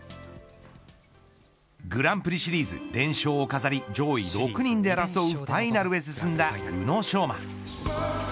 グランプリシリーズ連勝を飾り上位６人で争うファイナルへ進んだ宇野昌磨。